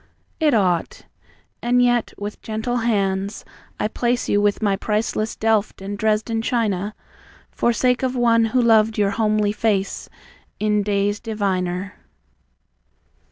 It ought. And yet with gentle hands I place You with my priceless Delft and Dresden china, For sake of one who loved your homely face In days diviner.